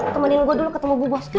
temenin gue dulu ketemu bu bosto